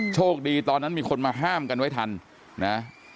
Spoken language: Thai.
โชคดีตอนนั้นมีคนมาห้ามกันไว้ทันนะ